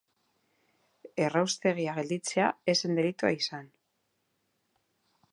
Erraustegia gelditzea ez zen delitua izan.